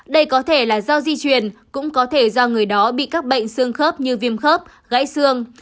đây có thể là do di truyền cũng có thể do người đó bị các bệnh xương khớp như viêm khớp gãy xương